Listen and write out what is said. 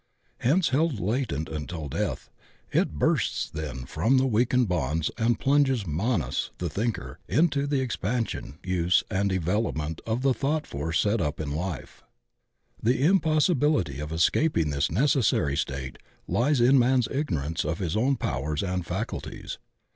Hence, held latent until death, it bursts then from the weakened bonds and plunges Manas, the thinker, into the expansion, use, and development of the thought force set up in life. The impossibiUty of escaping this necessary state lies in man's ignorance of his own powers and faculties.